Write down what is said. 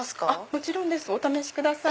もちろんですお試しください。